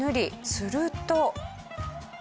すると。